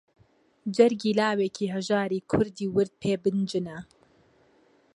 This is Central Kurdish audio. جەرگی لاوێکی هەژاری کوردی ورد پێ بنجنە